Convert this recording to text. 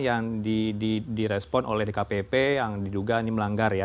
yang direspon oleh dkpp yang diduga ini melanggar ya